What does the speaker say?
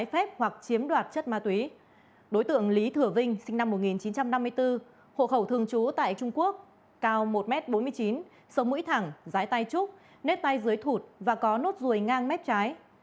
hộ khẩu thường trú tại trung quốc cao một m bốn mươi chín sâu mũi thẳng giái tay trúc nếp tay dưới thụt và có nốt ruồi ngang mép trái